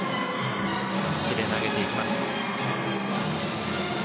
足で投げていきます。